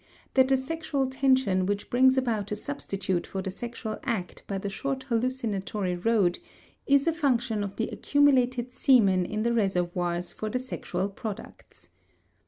that the sexual tension which brings about a substitute for the sexual act by the short hallucinatory road is a function of the accumulated semen in the reservoirs for the sexual products.